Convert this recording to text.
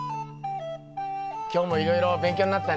今日もいろいろ勉強になったね。